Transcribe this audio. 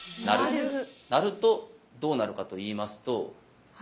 成るとどうなるかといいますと。